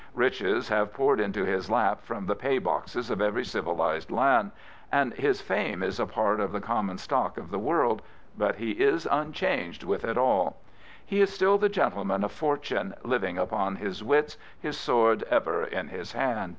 Riches have poured into his lap from the pay boxes of every civilised land,, and his fame i§ a part of the common stock of the world, but he is un changed with it all. He is still the gentleman of fortune, living upon his wits, his sword ever in his hand.